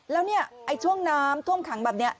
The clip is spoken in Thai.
แล้วช่วงน้ำท่วมขังแบบนี้